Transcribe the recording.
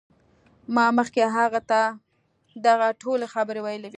ما مخکې هغه ته دغه ټولې خبرې ویلې وې